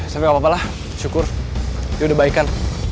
tapi gapapalah syukur dia udah baikan